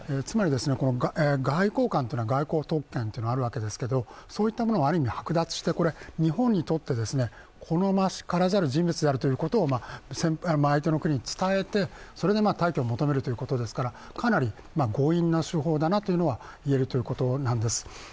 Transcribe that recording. つまり外交官というのは外交特権というのがあるわけですけれども、そういったものをある意味、剥奪して、日本にとって好ましからざる人物であるということを相手の国に伝えてそれで退去を求めるということですから、かなり強引な手法だなということが言えるということなんです。